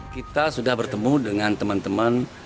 kita sudah bertemu dengan teman teman